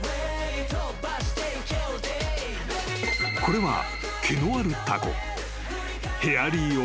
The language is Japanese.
［これは毛のあるタコ］